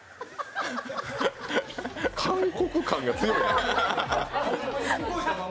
韓国感がすごいな。